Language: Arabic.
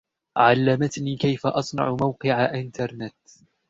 علّمتْني كيف أصنع موقعَ إنترنت.